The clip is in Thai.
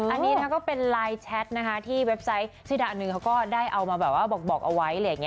อันนี้นะครับก็เป็นไลน์แชทนะคะที่เว็บไซต์ชื่อดะหนึ่งเขาก็ได้เอามาแบบว่าบอกเอาไว้